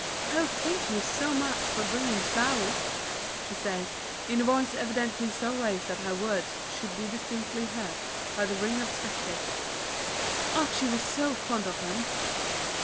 "Oh, thank you so much for bringing flowers," she said, in a voice evidently so raised that her words should be distinctly heard by the ring of spectators. "Archie was so fond of them!"